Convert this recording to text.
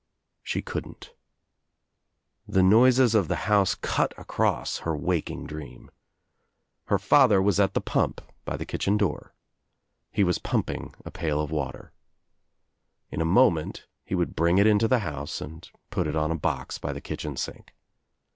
She couldn't. The noises of the house cut across her waking dream. Her father was at the pump by the kitchen door. He was pumping a pa!I of water. In a mflment he would bring it Into the house and put it on a box by the kitchen sink.